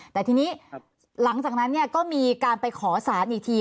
แต่ทีนี้หลังจากนั้นก็มีการไปขอสารอีกที